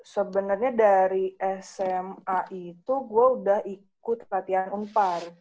sebenernya dari sma itu gue udah ikut latihan umpar